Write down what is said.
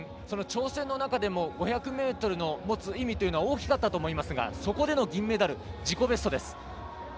その挑戦の中でも５００ｍの持つ意味というのは大きかったと思いますがそこでの銀メダル自己ベストです。